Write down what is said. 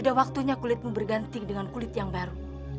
tidak waktunya kulitmu berganti dengan kulit yang baru